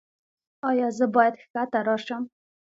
ایا زه باید ښکته راشم؟